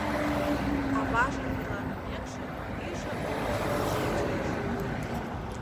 Аважын верланымекше иже олмышкыжо шинчеш.